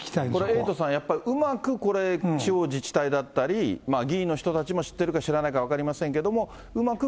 エイトさん、これは、うまくこれ、地方自治体だったり、議員の人たちも知ってるか知らないか分かりませんけれども、うまく